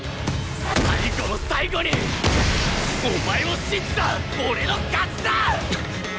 最後の最後にお前を信じた俺の勝ちだ！